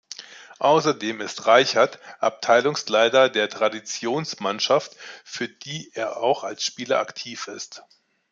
Außerdem ist Reichert Abteilungsleiter der Traditionsmannschaft, für die er auch als Spieler aktiv ist.